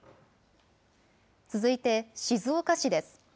続いて静岡市です。